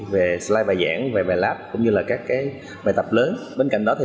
về slide bài giảng về bài lab cũng như là các cái bài tập lớn bên cạnh đó thì